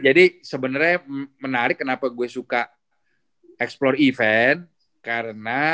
jadi sebenarnya menarik kenapa gue suka explore event